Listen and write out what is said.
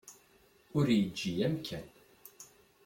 Ur yeǧǧi amkan.